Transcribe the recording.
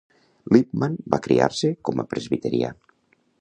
Lippman va criar-se com a presbiterià.